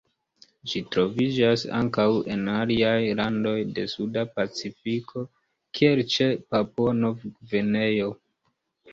Ĝi troviĝas ankaŭ en aliaj landoj de Suda Pacifiko, kiel ĉe Papuo-Nov-Gvineo.